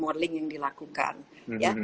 modelin dilakukan ya